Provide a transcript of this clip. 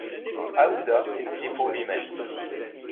Aouda et pour lui-même.